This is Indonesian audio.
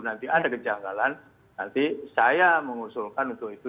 nanti ada kejanggalan nanti saya mengusulkan untuk itu